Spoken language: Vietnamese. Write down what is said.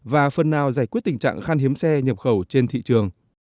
và phần nào giải quyết tình trạng khan hiếm xe nhập khẩu trên thị trường